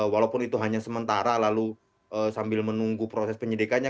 walaupun itu hanya sementara lalu sambil menunggu proses penyidikannya